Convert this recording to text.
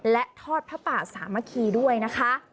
และทอดพระป่าสามัคคีด้วยนะคะ